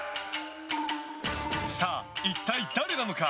さあ、一体誰なのか。